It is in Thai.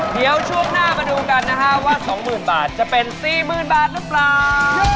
เดี๋ยวช่วงหน้ามาดูกันนะฮะว่า๒๐๐๐บาทจะเป็น๔๐๐๐บาทหรือเปล่า